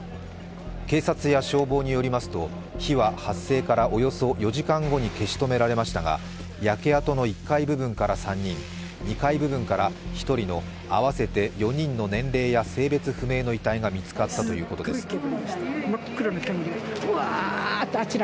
警察や消防によりますと、火は発生からおよそ４時間後に消し止められましたが、焼け跡の１階部分から３人２階部分から１人の合わせて４人の年齢や性別不明の遺体が見つかったということです。